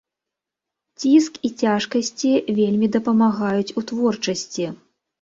Ціск і цяжкасці вельмі дапамагаюць у творчасці.